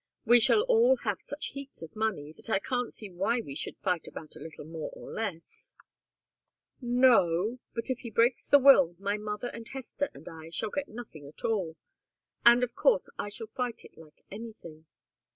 We shall all have such heaps of money that I can't see why we should fight about a little, more or less " "No but if he breaks the will, my mother and Hester and I shall get nothing at all, and of course I shall fight it like anything.